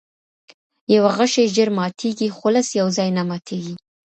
یوه غشی ژر ماتیږي، خو لس یوځای نه ماتیږي.